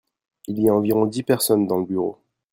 Il y a environ dix personnes dans le bureau.